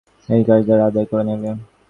এই কাজ তারা আদায় করে নেবে।